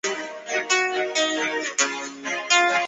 这个音标系统是由提比哩亚的马所拉学士发展成的。